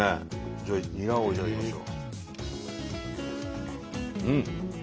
じゃあニラを頂きましょう。